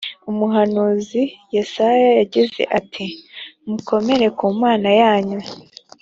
umuhanuzi yesaya wagize ati mukomere ku mana yanyu